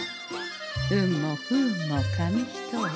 運も不運も紙一重。